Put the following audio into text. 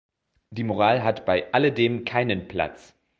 Die Moral hat bei alledem keinen Platz.